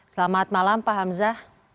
selamat malam pak hamzah